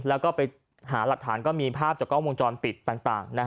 แล้วก็ไปหาหลักฐานก็มีภาพจากกล้องวงจรปิดต่าง